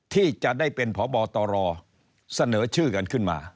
ที่จะได้เป็นพบตรเสนอชื่อกันขึ้นมา